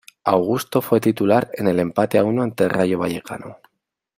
Augusto fue titular en el empate a uno ante el Rayo Vallecano.